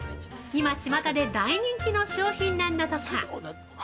今、ちまたで大人気の商品なんだとか。